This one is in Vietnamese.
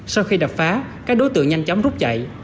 sau khi đập phá các đối tượng nhanh chóng rút chạy